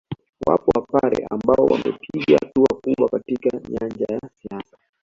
Wapo wapare ambao wamepiga hatua kubwa katika nyanja ya siasa